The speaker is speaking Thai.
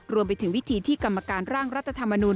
รวมไปถึงวิธีที่กรรมการร่างรัฐธรรมนุน